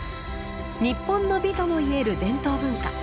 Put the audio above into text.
日本の美ともいえる伝統文化。